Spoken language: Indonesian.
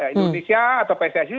indonesia atau pssi